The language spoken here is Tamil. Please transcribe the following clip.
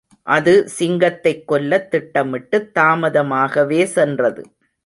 அது சிங்கத்தைக் கொல்லத் திட்டுமிட்டுத் தாமதமாகவே சென்றது.